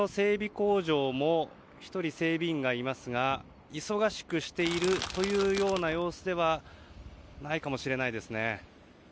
工場も１人、整備員がいますが忙しくしているという様子ではないかもしれないですね。